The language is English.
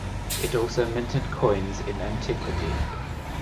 It also minted coins in antiquity.